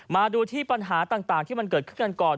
มาดูที่ปัญหาต่างที่มันเกิดขึ้นกันก่อน